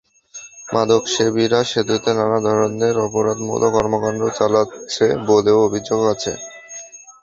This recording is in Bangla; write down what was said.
মাদকসেবীরা সেতুতে নানা ধরনের অপরাধমূলক কর্মকাণ্ড চালাচ্ছে বলেও অভিযোগ আছে।